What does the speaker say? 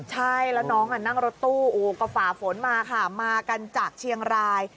ใช่แล้วน้องนั่งรถตู้ก็ฝ่าฝนมาค่ะมากันจากเชียงราย